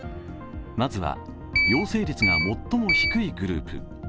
まずは陽性率が最も低いグループ。